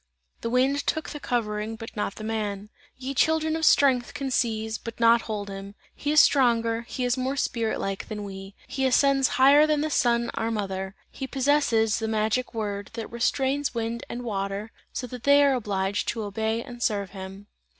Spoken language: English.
The wind took the covering, but not the man. "Ye children of strength can seize, but not hold him; he is stronger, he is more spirit like, than we; he ascends higher than the Sun, our mother! He possesses the magic word, that restrains wind and water, so that they are obliged to obey and serve him!"